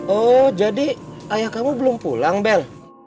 oh jadi ayah kamu belum pulang bel